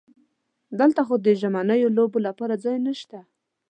دلته خو د ژمنیو لوبو لپاره ځای نشته.